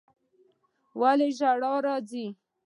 ولي ژړا راځي